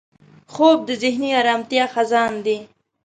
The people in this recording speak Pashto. خوب د ذهني ارامتیا خزان دی